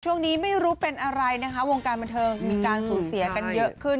ช่วงนี้ไม่รู้เป็นอะไรนะคะวงการบันเทิงมีการสูญเสียกันเยอะขึ้น